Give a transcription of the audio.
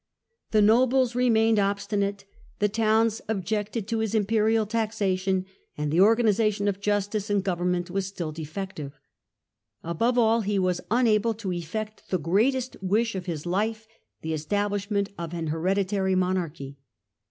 The nobles remained obstinate, the towns objected to his Imperial taxation, and the organisation of justice and government was still defective. Above all, he was unable to effect the great est wish of his life, the establishment of an hereditary monarchy.